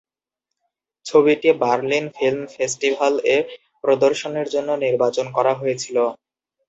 ছবিটি "Berlin film festival" এ প্রদর্শনের জন্য নির্বাচন করা হয়েছিল।